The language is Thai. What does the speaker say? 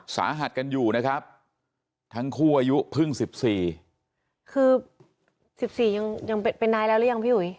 สาหัสกันอยู่นะครับทั้งคู่อายุเพิ่งสิบสี่คือสิบสี่ยังยังเป็นนายแล้วหรือยังพี่อุ๋ย